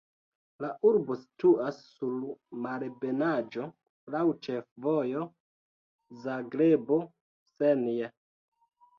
La urbo situas sur malebenaĵo, laŭ ĉefvojo Zagrebo-Senj.